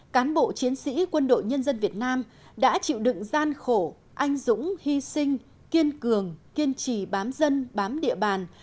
cán bộ chiến sĩ quân đội nhân dân việt nam đã chịu đựng gian khổ anh dũng hy sinh kiên cường kiên trì bám dân bám địa bàn